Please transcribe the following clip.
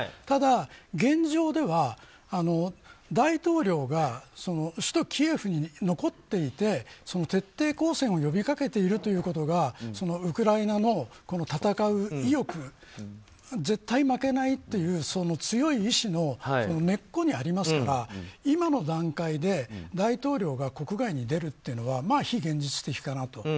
ただ、現状では大統領が首都キエフに残っていて徹底抗戦を呼びかけていることがウクライナの戦う意欲絶対負けないという強い意志の根っこにありますから今の段階で大統領が国外に出るというのは非現実的かなと。